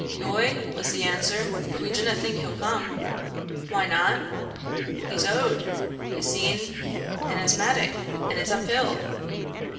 "Yoi," was the answer; "but we dunna think he'll come." "Why not?" "He's owd, yo seen, and asthmatic, and it's up hill."